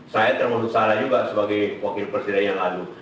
saya termasuk salah juga sebagai wakil presiden yang lalu